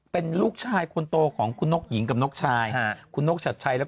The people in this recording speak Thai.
เป็นลูกชายคนโตของคุณนกยิงนกชัดชัย